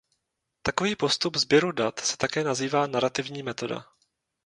Takový postup sběru dat se také nazývá narativní metoda.